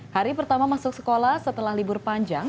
hari pertama masuk sekolah setelah libur panjang